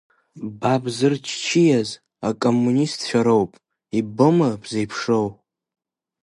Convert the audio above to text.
Ба бзырччиаз акоммунистцәа роуп, иббома бзеиԥшроу.